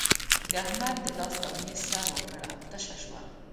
د احمد د لاس دانې سر وکړ او تشه شوه.